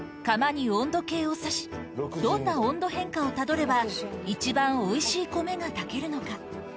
釜に温度計を差し、どんな温度変化をたどれば一番おいしい米が炊けるのか。